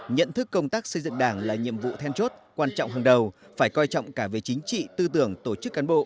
nhận thức công tác xây dựng đảng là nhiệm vụ then chốt quan trọng hàng đầu phải coi trọng cả về chính trị tư tưởng tổ chức cán bộ